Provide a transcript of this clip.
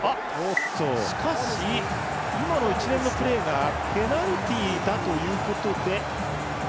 しかし、今の一連のプレーがペナルティだということで。